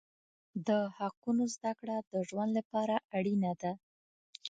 د حقوقو زده کړه د ژوند لپاره اړینه ده.